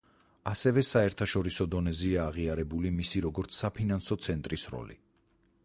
ასევე საერთაშორისო დონეზეა აღიარებული მისი, როგორც საფინანსო ცენტრის როლი.